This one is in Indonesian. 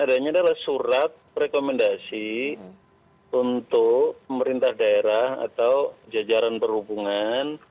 adanya adalah surat rekomendasi untuk pemerintah daerah atau jajaran perhubungan